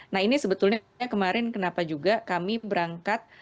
nah ini sebetulnya kemarin kenapa juga kami berangkat